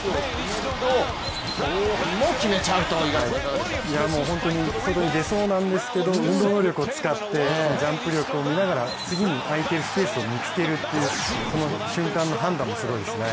外に出ちゃいそうなんですけど運動能力を使ってジャンプ力を見ながら次にあいてるスペース見つけるというその瞬間の判断もすごいですね。